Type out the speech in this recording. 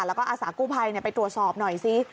แล้วก็อาสากู้ภัยไปตรวจสอบหน่อยซิ